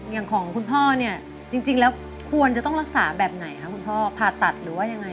อย่างของคุณพ่อเนี่ยจริงแล้วควรจะต้องรักษาแบบไหนคะคุณพ่อผ่าตัดหรือว่ายังไง